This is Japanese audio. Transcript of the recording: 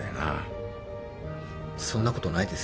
そんなことないですよ。